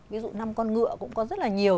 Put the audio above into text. ví dụ năm con ngựa cũng có rất là nhiều